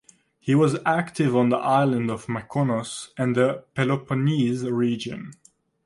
He was active on the island of Mykonos and the Peloponnese Region.